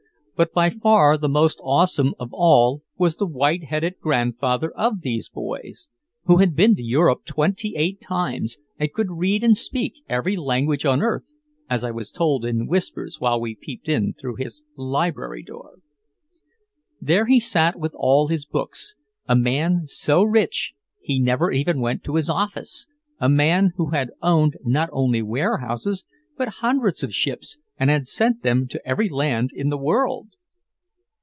But by far the most awesome of all was the white headed grandfather of these boys, who had been to Europe twenty eight times and could read and speak "every language on earth," as I was told in whispers while we peeped in through his library door. There he sat with all his books, a man so rich he never even went to his office, a man who had owned not only warehouses but hundreds of ships and had sent them to every land in the world!